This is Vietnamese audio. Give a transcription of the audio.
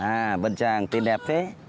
à vân trang tên đẹp thế